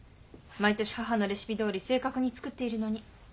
毎年母のレシピどおり正確に作っているのに不思議です。